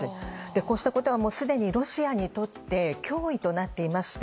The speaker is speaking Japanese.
こうしたことはすでにロシアにとって脅威となっていまして